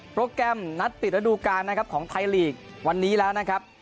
โปรแกรมนัดปิดระดูการนะครับของไทยลีกวันนี้แล้วนะครับ